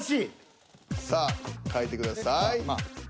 さあ書いてください。